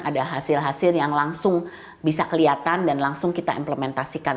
ada hasil hasil yang langsung bisa kelihatan dan langsung kita implementasikan